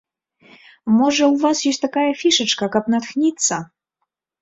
Можа, ў вас ёсць такая фішачка, каб натхніцца?